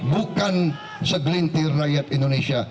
bukan segelintir rakyat indonesia